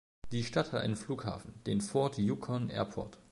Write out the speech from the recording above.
Die Stadt hat einen Flughafen, den Fort Yukon Airport.